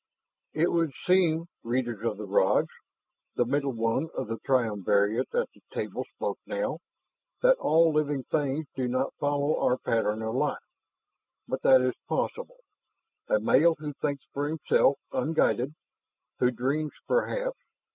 "It would seem, Readers of the rods" the middle one of the triumvirate at the table spoke now "that all living things do not follow our pattern of life. But that is possible. A male who thinks for himself ... unguided, who dreams perhaps!